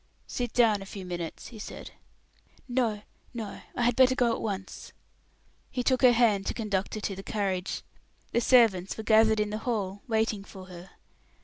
"Sit down a few minutes," he said. "No no. I had better go at once." He took her hand to conduct her to the carriage. The servants were gathered in the hall, waiting for her.